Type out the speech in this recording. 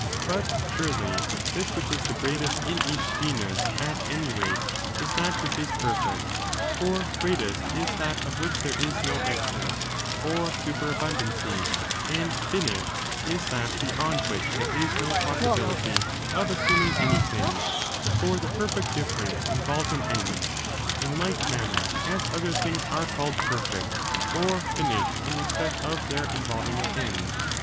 But, surely, this which is the greatest therefrom. jn ^ach gcnus, at any rate, is that which is perfect ; for greatest is that of which there is no excess, or superabun dancy, and finished is that beyond which there is no possi bility of assuming anything, for the perfect difference involves an end : in like manner as other things are called perfect, or finished in respect of their involving an end.